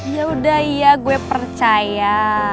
yaudah iya gue percaya